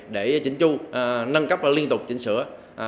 để chỉnh chu nâng cấp liên tục chỉnh sửa